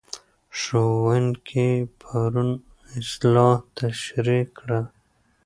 ښوونکی پرون اصلاح تشریح کړه.